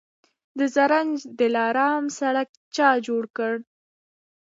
د زرنج دلارام سړک چا جوړ کړ؟